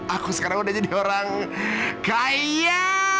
aku sekarang udah jadi orang kaya